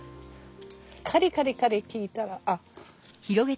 カリカリカリ聞いたら。